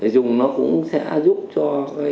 dùng nó cũng sẽ giúp cho